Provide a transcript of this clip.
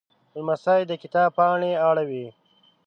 لمسی د کتاب پاڼې اړوي.